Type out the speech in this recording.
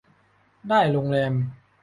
ได้โรงแรม